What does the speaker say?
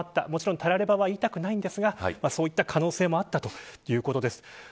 もちろん、たらればは言いたくないのですがそういう可能性もあったということです。